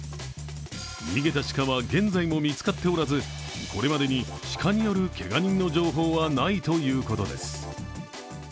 逃げた鹿は現在も見つかっておらず、これまでに鹿によるけが人の情報はないということです。